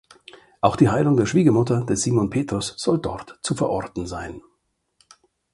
Auch die Heilung der Schwiegermutter des Simon Petrus soll dort zu verorten sein.